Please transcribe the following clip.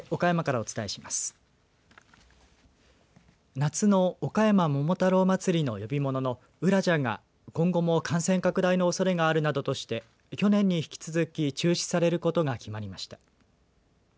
夏のおかやま桃太郎まつりの呼び物のうらじゃが、今後も感染拡大のおそれがあるなどとして去年に引き続き中止されることが決まりました。